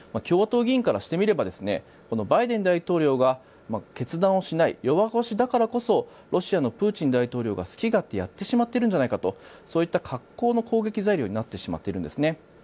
共和党議員からしてみればバイデン大統領が決断をしない、弱腰だからこそロシアのプーチン大統領が好き勝手やってしまっているんじゃないかとそういった格好の攻撃材料になってしまっているんですね。